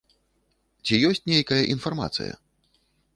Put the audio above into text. Ці ёсць нейкая інфармацыя?